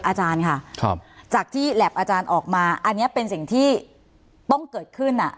อาจารย์ค่ะจากที่แหลปอาจารย์ออกมาอันนี้เป็นสิ่งที่ต้องเกิดขึ้นอ่ะ